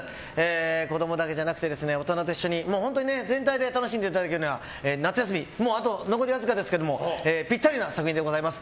子供だけじゃなくて大人と一緒に全体で楽しんでいただけるような夏休み、残りわずかですけどもピッタリな作品でございます。